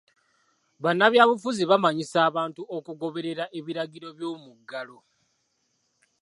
Bannabyabufuzi bamanyisa abantu okugoberera ebiragiro by'omuggalo.